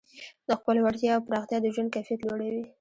د خپلو وړتیاوو پراختیا د ژوند کیفیت لوړوي.